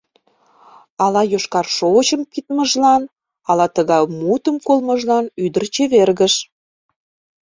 Ала йошкар шовычым пидмыжлан, ала тыгай мутым колмыжлан ӱдыр чевергыш.